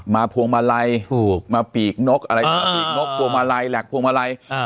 พวงมาลัยถูกมาปีกนกอะไรปีกนกพวงมาลัยแหลกพวงมาลัย